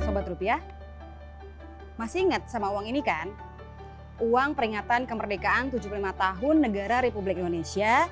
sobat rupiah masih ingat sama uang ini kan uang peringatan kemerdekaan tujuh puluh lima tahun negara republik indonesia